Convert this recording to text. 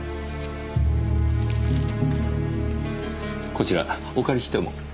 こちらお借りしても？